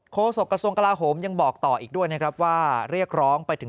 โศกระทรวงกลาโหมยังบอกต่ออีกด้วยนะครับว่าเรียกร้องไปถึง